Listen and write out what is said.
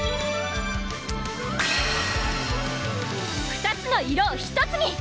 ２つの色を１つに！